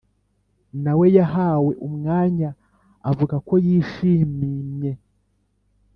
na we yahawe umwanya avuga ko yishimimye